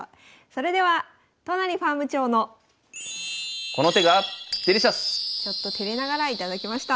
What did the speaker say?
それでは都成ファーム長のちょっとてれながら頂きました。